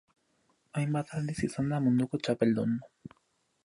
Hainbat aldiz izan da munduko txapeldun.